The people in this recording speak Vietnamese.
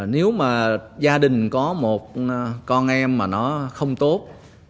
nếu mà gia đình có một con em mà nó không tốt